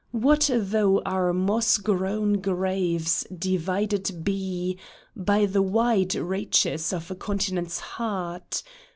What though our moss grown graves divided be By the wide reaches of a continent's heart